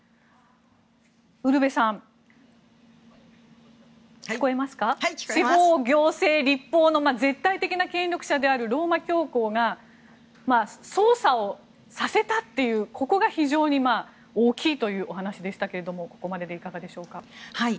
ウルヴェさん、司法、行政、立法の絶対的な権力者であるローマ教皇が捜査をさせたというここが非常に大きいというお話でしたがここまででいかがでしょうか。